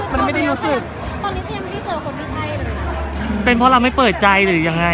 พอตอบไม่ได้จริงฉันไม่รู้ว่าจะพูดยังไง